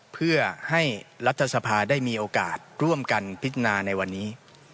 เพื่อให้รัฐสภาได้มีโอกาสร่วมกันพิจารณาในวันนี้